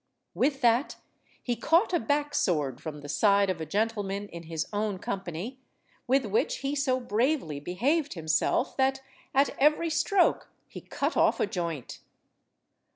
With that he caught a back–sword from the side of a gentleman in his own company, with which he so bravely behaved himself that at every stroke he cut off a joint.